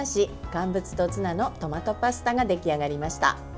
乾物とツナのトマトパスタが出来上がりました。